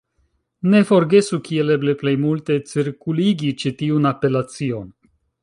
Ne forgesu kiel eble plej multe cirkuligi ĉi tiun apelacion!